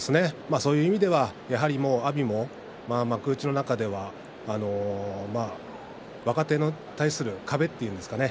そういう意味では阿炎も幕内の中では若手に対する壁と言うんですかね